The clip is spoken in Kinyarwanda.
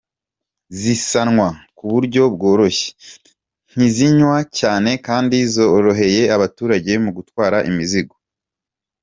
Zisanwa ku buryo bworoshye, ntizinywa cyane kandi zoroheye abaturage mu gutwara imizigo.